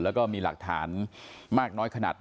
แล้วก็มีหลักฐานมากน้อยขนาดไหน